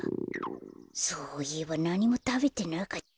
そういえばなにもたべてなかった。